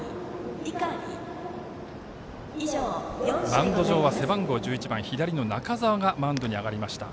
マウンド上は背番号１１番左の中澤がマウンドに上がりました。